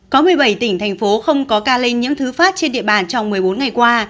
có một mươi bảy tỉnh thành phố không có ca lây nhiễm thứ phát trên địa bàn trong một mươi bốn ngày qua